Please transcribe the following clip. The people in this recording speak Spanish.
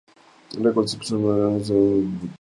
Records y empezaron a grabar su álbum debut.